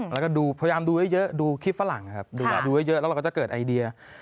แล้วก็ดูพยายามดูเยอะดูคลิปฝรั่งครับดูเยอะแล้วเราก็จะเกิดไอเดีย